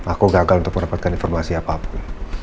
aku gagal untuk mendapatkan informasi apapun